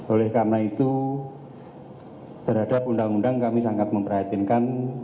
oleh karena itu terhadap undang undang kami sangat memperhatinkan